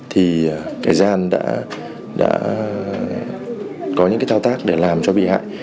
thì kẻ gian đã có những cái thao tác để làm cho bị hại